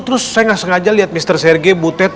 terus saya gak sengaja liat mr serge butet